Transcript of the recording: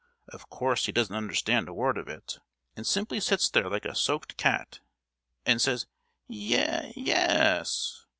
Of course he doesn't understand a word of it, and simply sits there like a soaked cat, and says 'Ye—yes!